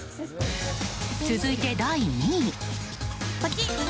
続いて第２位。